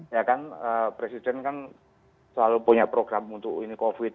ya kan presiden kan selalu punya program untuk ini covid